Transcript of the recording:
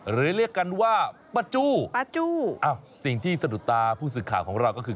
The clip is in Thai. หรือเรียกกันว่าป๊าจู้สิ่งที่สะดุดตาผู้สื่อข่าวของเราก็คือ